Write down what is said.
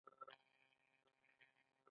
د شولو پولې باید څوک وریبي؟